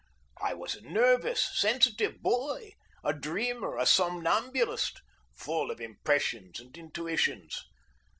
I was a nervous, sensitive boy, a dreamer, a somnambulist, full of impressions and intuitions.